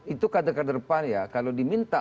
itu kata kata depan ya kalau diminta